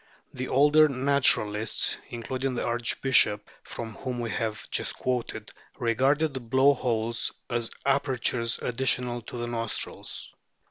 The older naturalists, including the archbishop from whom we have just quoted, regarded the blow holes as THE EXTERNAL FORM OF WHALES 35 apertures additional to the nostrils.